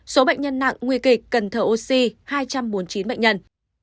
số bệnh nhân nặng nguy kịch cần thở oxy hai trăm bốn mươi chín bệnh nhân